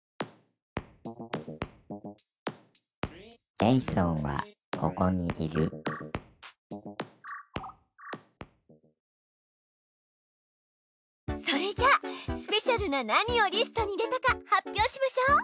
ジェイソンはココにいるそれじゃスペシャルな何をリストに入れたか発表しましょう！